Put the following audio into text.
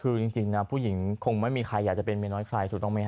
คือจริงนะผู้หญิงคงไม่มีใครอยากจะเป็นเมียน้อยใครถูกต้องไหมฮ